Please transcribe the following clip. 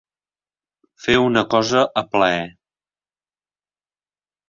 Fer una cosa a plaer.